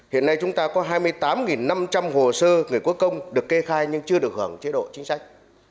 hiện nay chúng ta có hai mươi tám năm trăm linh hồ sơ người có công được kê khai nhưng chưa được hưởng chế độ chính sách